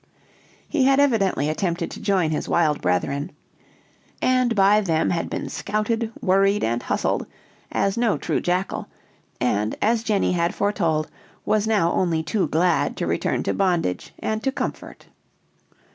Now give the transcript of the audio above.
He had evidently attempted to join his wild brethren, and by them had been scouted, worried, and hustled, as no true jackal; and, as Jenny had foretold, was now only too glad to return to bondage and to comfort.